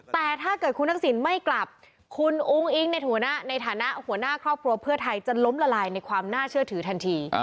แต่ถ้าเกิดคุณทักษิณไม่กลับคุณอุ้งอิ๊งในฐานะหัวหน้าครอบครัวเพื่อไทยจะล้มละลายในความน่าเชื่อถือทันที